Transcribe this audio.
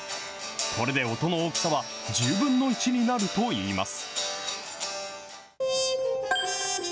これで音の大きさは１０分の１になるといいます。